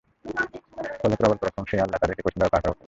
ফলে, প্রবল পরাক্রমশালী আল্লাহ তাদেরকে কঠিনভাবে পাকড়াও করেন।